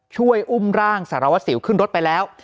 ช่วยอุ้มร่างสารวัสสิวขึ้นรถไปแล้ว